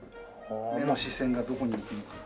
目の視線がどこに向くのか。